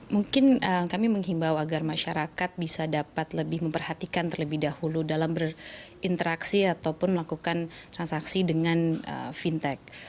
mungkin kami menghimbau agar masyarakat bisa dapat lebih memperhatikan terlebih dahulu dalam berinteraksi ataupun melakukan transaksi dengan fintech